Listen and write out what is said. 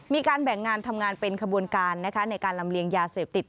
มีการแบ่งงานทำงานเป็นขบวนการในการลำเลียงยาเสพติด